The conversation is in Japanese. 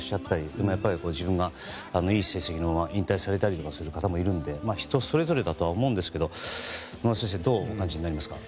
でも、やっぱり自分がいい成績のまま引退されたりとかする方もいるので人それぞれだとは思うんですが野村先生、どう感じますか？